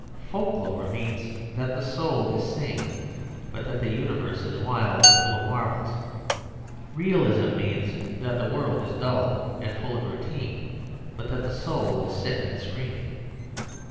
Folk lore means that the soul is sane, but that the universe is wild and full of marvels. Realism means that the world is dull and full of routine, but that the soul is sick and screaming.